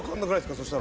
そしたら。